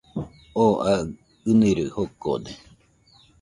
Oo aɨ ɨniroi jokode